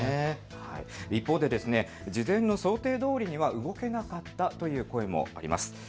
一方で事前の想定どおりには動けなかったという声もあります。